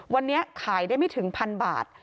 วันนี้ขายได้ไม่ถึงพันบาท